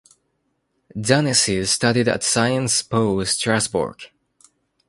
Danesi studied at Sciences Po Strasbourg.